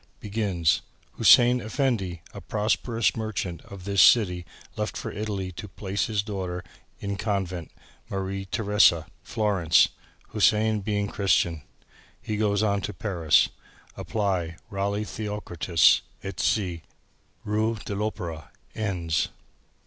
Begins. Hussein Effendi a prosperous merchant of this city left for Italy to place his daughter in convent Marie Theressa, Florence Hussein being Christian. He goes on to Paris. Apply Ralli Theokritis et Cie., Rue de l'Opera. Ends."